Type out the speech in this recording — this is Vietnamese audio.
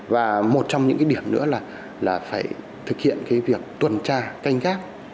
và một trong những điểm nữa là phải thực hiện việc tuần tra canh gác